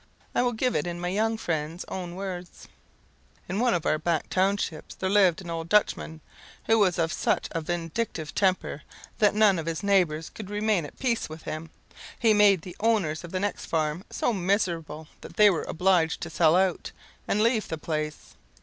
I will give it in my young friend's own words: "In one of our back townships there lived an old Dutchman, who was of such a vindictive temper that none of his neighbours could remain at peace with him. He made the owners of the next farm so miserable that they were obliged to sell out, and leave the place.